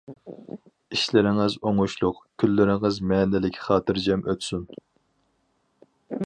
ئىشلىرىڭىز ئوڭۇشلۇق، كۈنلىرىڭىز مەنىلىك، خاتىرجەم ئۆتسۇن.